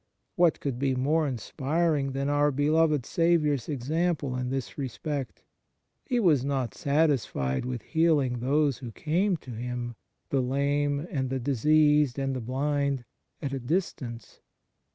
What could be more inspiring than our beloved Saviour s example in this respect ? He was not satisfied with heal ing those who came to Him the lame and the diseased and the blind at a distance.